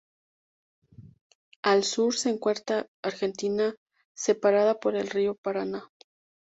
Al sur se encuentra Argentina, separada por el Río Paraná.